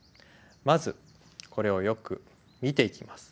まずこれをよく見ていきます。